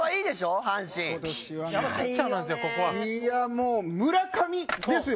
もう村上ですよ！